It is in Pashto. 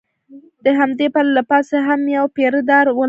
د همدې پله له پاسه هم یو پیره دار ولاړ و.